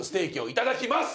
いただきます！